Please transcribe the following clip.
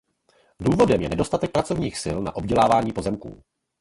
Důvodem je nedostatek pracovních sil na obdělávání pozemků.